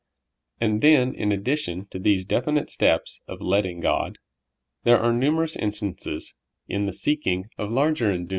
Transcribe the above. And then, in addi dition to these definite steps of '' letting God, '' there are numerous instances in the seeking of larger endue 104 SOUL FOOD.